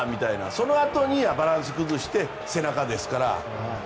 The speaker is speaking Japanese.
そのあとバランスを崩して背中ですから。